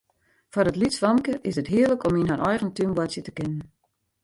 Foar it lytsfamke is it hearlik om yn har eigen tún boartsje te kinnen.